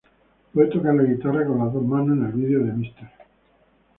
Puede tocar la guitarra con las dos manos, en el vídeo de Mr.